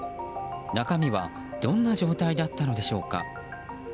中身はどんな状態だったのでしょうか。